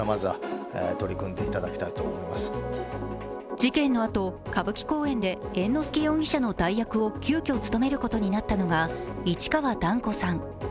事件のあと、歌舞伎公演で猿之助容疑者の代役を急きょ、務めることになったのが市川團子さん。